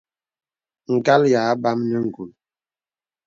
Ngàl yā àbam nə ngùl.